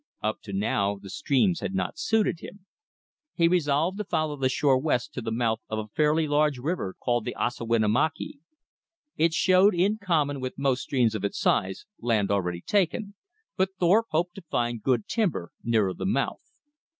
Up to now the streams had not suited him. He resolved to follow the shore west to the mouth of a fairly large river called the Ossawinamakee.* It showed, in common with most streams of its size, land already taken, but Thorpe hoped to find good timber nearer the mouth.